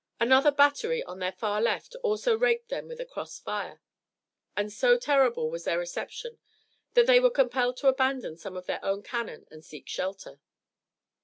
Another battery on their far left also raked them with a cross fire, and so terrible was their reception that they were compelled to abandon some of their own cannon and seek shelter.